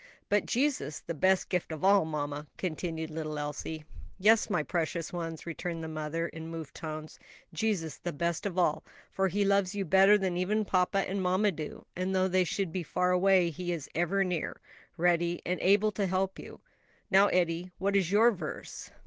"But Jesus the best gift of all, mamma," continued little Elsie. "Yes, my precious ones," returned the mother, in moved tones, "Jesus the best of all; for He loves you better than even papa and mamma do, and though they should be far away, He is ever near, ready and able to help you. Now, Eddie, what is your verse?"